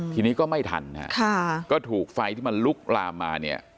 ทีนี้ก็ไม่ทันนะฮะก็ถูกไฟที่มันลุกลามมาเนี่ย